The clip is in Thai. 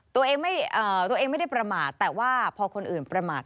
ตัวเองไม่ได้ประมาทแต่ว่าพอคนอื่นประมาท